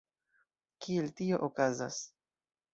Kiel tio okazas?